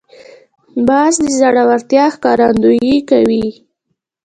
باز د زړورتیا ښکارندویي کوي